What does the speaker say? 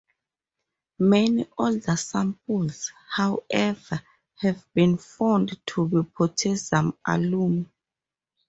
Many older samples, however, have been found to be potassium alum.